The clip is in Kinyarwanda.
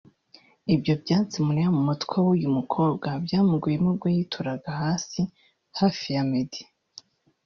Ibyo byatsi mureba mu mutwe w'uyu mukobwa byamugiyemo ubwo yituraga hasi hafi ya Meddy